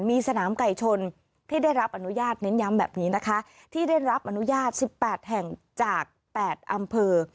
มีสนามไก่ชนที่ได้รับอนุญาตเน้นย้ำแบบนี้นะคะที่ได้รับอนุญาต๑๘แห่งจาก๘อำเภอ